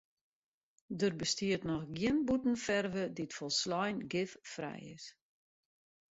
Der bestiet noch gjin bûtenferve dy't folslein giffrij is.